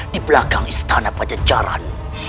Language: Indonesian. di belakang istana pajajaran